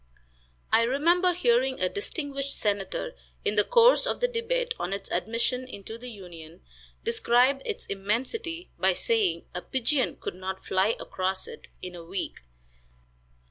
I remember hearing a distinguished senator, in the course of the debate on its admission into the Union, describe its immensity by saying, "A pigeon could not fly across it in a week."